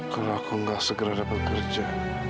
kalau aku nggak segera dapat kerja